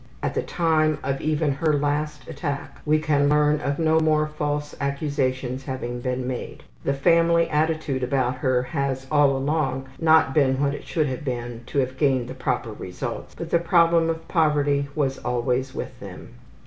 At the time of even her last attack we can learn of no more false accusations having been made. The family attitude about her has, all along, not been what it should have been to have gained the proper results, but the problem of poverty was always with them.